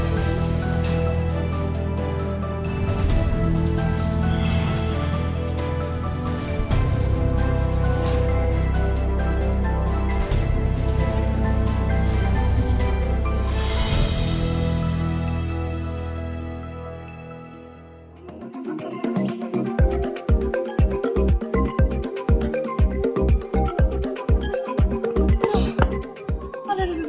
wuh capek banget